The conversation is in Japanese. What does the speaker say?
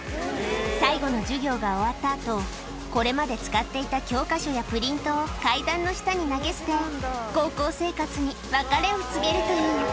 最後の授業が終わったあと、これまで使っていた教科書やプリントを階段の下に投げ捨て、高校生活に別れを告げるという。